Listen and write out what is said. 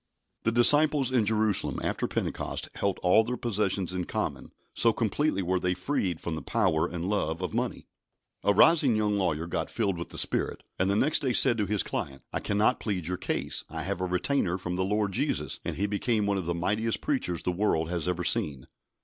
The disciples in Jerusalem after Pentecost held all their possessions in common, so completely were they freed from the power and love of money. A rising young lawyer got filled with the Spirit, and the next day said to his client: "I cannot plead your case. I have a retainer from the Lord Jesus"; and he became one of the mightiest preachers the world has ever seen.